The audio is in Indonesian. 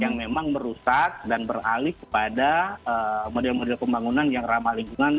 yang memang merusak dan beralih kepada model model pembangunan yang ramah lingkungan